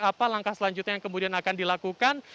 apa langkah selanjutnya yang kemudian akan dilakukan